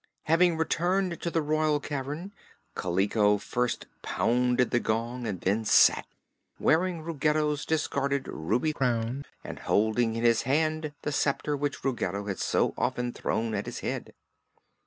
Having returned to the royal cavern, Kaliko first pounded the gong and then sat in the throne, wearing Ruggedo's discarded ruby crown and holding in his hand the sceptre which Ruggedo had so often thrown at his head.